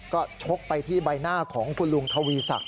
ก็ชกไปที่ใบหน้าของคุณลุงทวีศักดิ